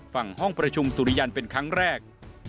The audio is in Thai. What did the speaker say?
ฝั่งห้องประชุมสุริยันเป็นครั้งแรก